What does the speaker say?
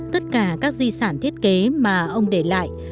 tất cả các di sản thiết kế mà ông để lại